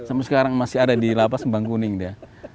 sampai sekarang masih ada di lapa sembang kuning dia